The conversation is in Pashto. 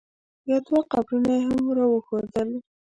یو دوه قبرونه یې هم را وښودل.